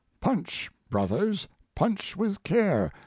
Punch, brothers, punch with care!